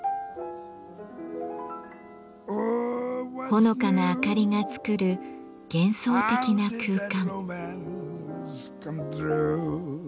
ほのかなあかりが作る幻想的な空間。